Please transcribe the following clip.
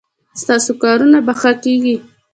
ستاسو کارونه به ښه کیږي